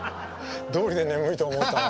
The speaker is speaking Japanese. どうりで眠いと思ったわ。